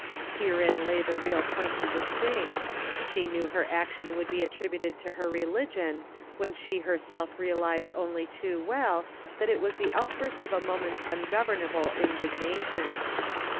Herein lay the real point of the sting: she knew her action would be at¬ tributed to her religion, when she her¬ self realized only too well, that it was the outburst of a moment's ungovernable in¬ dignation.